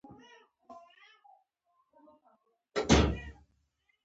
غرمه د غږونو غیابت دی